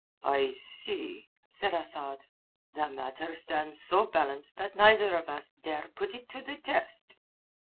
"I see," said Asad. "The matter stands so balanced that neither of us dare put it to the test."